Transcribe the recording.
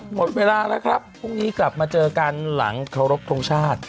หมดเวลาแล้วครับพรุ่งนี้กลับมาเจอกันหลังเคารพทงชาติ